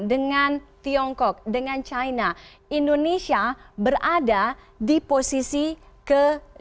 dengan tiongkok dengan china indonesia berada di posisi ke dua puluh empat